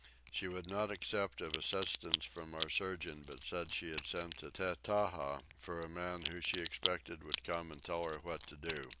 She would not accept of assistance from our surgeon but said she had sent to Tettaha for a man who she expected would come and tell her what to do.